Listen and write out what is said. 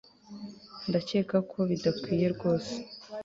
Ndakeka ko bidakwiye rwose